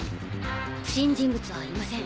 不審人物はいません。